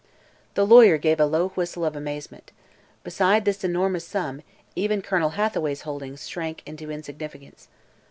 The lawyer gave a low whistle of amazement. Beside this enormous sum, even Colonel Hathaway's holdings shrank into insignificance.